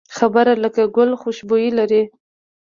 خبره لکه ګل خوشبويي لري